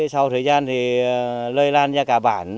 sau thời gian thì lây lan ra cả bản